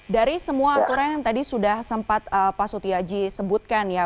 dari semua aturan yang tadi sudah sempat pak sutiaji sebutkan ya